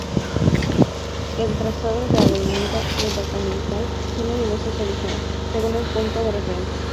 El trazado de avenida Departamental tiene diversos orígenes, según el punto de referencia.